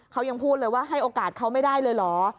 เขายังพูดเลยว่าให้โอกาสเขาไม่ได้เลยเหรอ